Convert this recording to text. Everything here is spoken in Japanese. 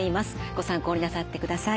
ご参考になさってください。